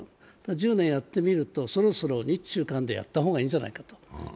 １０年やってみると、そろそろ日中韓でやった方がいいんじゃないかと。